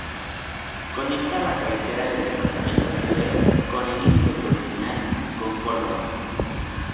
Conecta la cabecera del departamento Caseros con el límite provincial con Córdoba.